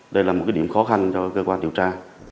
đây là một điểm khó khăn cho cơ quan điều tra